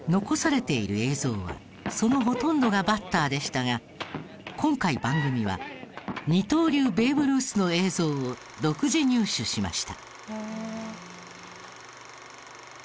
残されている映像はそのほとんどがバッターでしたが今回番組は二刀流ベーブ・ルースの映像を独自入手しました。